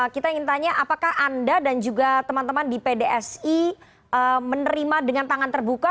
kita ingin tanya apakah anda dan juga teman teman di pdsi menerima dengan tangan terbuka